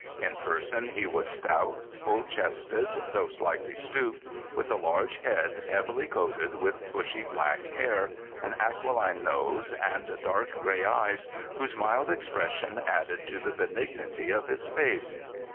In person he was stout, full chested, though slightly stooped, with a large head heavily coated with bushy black hair, an aquiline nose, and dark gray eyes, whose mild expression added to the benignity of his face.